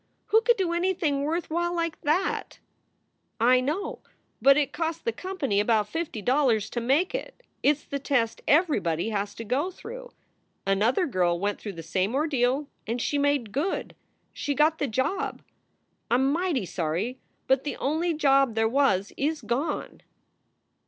Who could do anything worth while like that ?" "I know, but it cost the company about fifty dollars to make it. It s the test everybody has to go through. Another girl went through the same ordeal and she made good. She got the job. I m mighty sorry, but the only job there was is gone."